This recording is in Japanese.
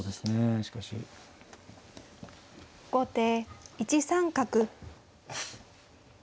後手１三角。